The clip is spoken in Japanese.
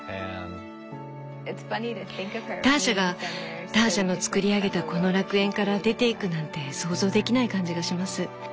ターシャがターシャのつくり上げたこの楽園から出ていくなんて想像できない感じがします。